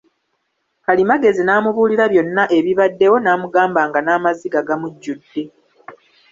Kalimagezi n'amubuulira byonna ebibaddewo, n'amugamba nga n'amaziga gamujjudde.